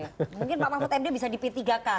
mungkin pak mahfud md bisa di p tiga k